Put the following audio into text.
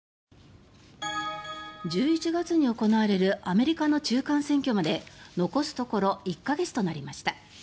１１月に行われるアメリカの中間選挙まで残すところ１か月となりました。